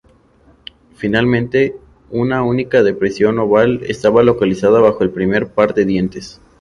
Finalmente, una única depresión oval estaba localizada bajo el primer par de dientes.